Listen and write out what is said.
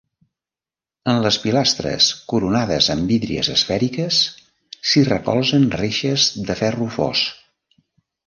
En les pilastres, coronades amb hídries esfèriques, s'hi recolzen reixes de ferro fos.